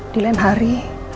di lain hari